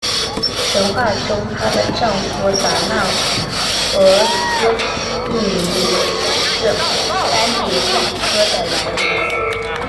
神话中她的丈夫达那俄斯一名也是斑蝶亚科的来源。